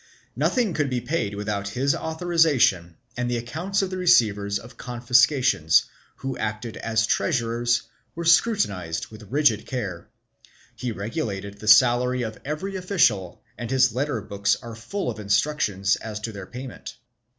Nothing could be paid without his authorization and the accounts of the receivers of confiscations, who acted as treasurers, were scrutinized with rigid care. He regulated the salary of every official and his letter books are full of instructions as to their payment.